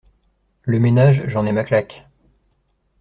Le ménage, j’en ai ma claque!